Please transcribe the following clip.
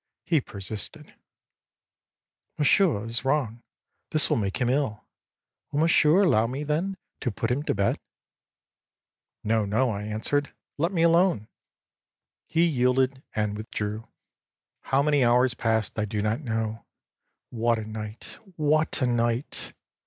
He persisted: ââMonsieur is wrong; this will make him ill. Will monsieur allow me, then, to put him to bed?â ââNo, no,â I answered. âLet me alone.â âHe yielded and withdrew. âHow many hours passed I do not know. What a night! What a night!